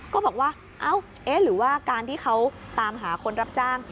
ก็บอกว่าเอ้าหรือว่าการที่เขาตามหาคนรับจ้าง